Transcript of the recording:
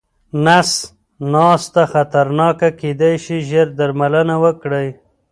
نس ناسته خطرناکه کيداې شي، ژر درملنه وکړئ.